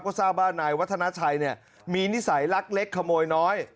ก็ทราบว่านายวัฒนาชัยมีนิสัยลักเล็กขโมยน้อย